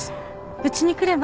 うちに来れば？